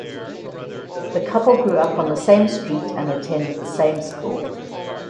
The couple grew up on the same street and attended the same school.